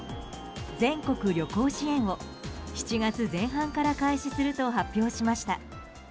全国旅行支援を７月前半から開始すると発表しました。